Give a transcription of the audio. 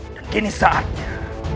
dan kini saatnya